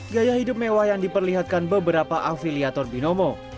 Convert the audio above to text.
gaya hidup mewah yang diperlihatkan beberapa afiliator binomo